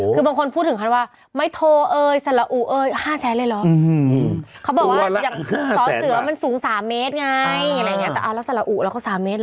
ครับผมตัวละ๕๐๐๐๐๐ฮะ